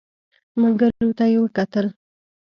ملګرو ته يې وکتل.